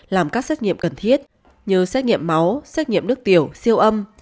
làm các xét nghiệm cần thiết như xét nghiệm máu xét nghiệm nước tiểu siêu âm